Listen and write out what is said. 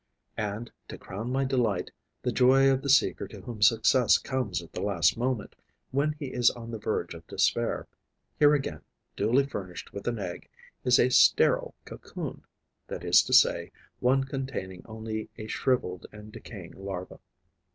And, to crown my delight, the joy of the seeker to whom success comes at the last moment, when he is on the verge of despair, here again, duly furnished with an egg, is a sterile cocoon, that is to say, one containing only a shrivelled and decaying larva.